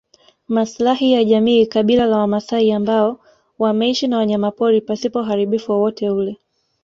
Maslahi ya jamii kabila la wamaasai ambao wameishi na wanyamapori pasipo uharibifu wowote ule